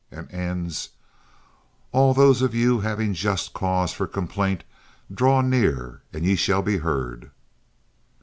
and ends, "All those of you having just cause for complaint draw near and ye shall be heard."